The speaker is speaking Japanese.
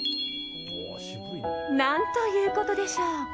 何ということでしょう。